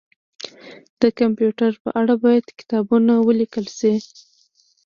د کمپيوټر په اړه باید کتابونه ولیکل شي